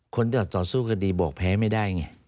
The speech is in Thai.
คนจะต่อสู้คดีบอกแพ้ไม่ได้ไง